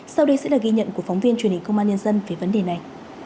sau đây sẽ là ghi nhận của phóng viên truyền hình công an nhân dân về vấn đề này